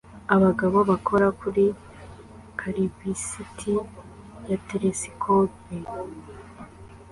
abagabo bakora kuri kalibisiti ya telesikope